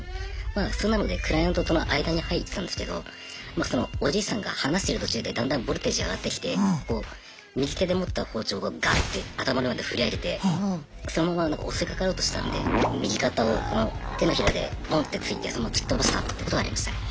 まあそんなのでクライアントとの間に入ってたんですけどそのおじいさんが話してる途中でだんだんボルテージ上がってきて右手で持った包丁をガッて頭の上まで振り上げてそのまま襲いかかろうとしたんで右肩をこの手のひらでボンって突いて突き飛ばしたことはありましたね。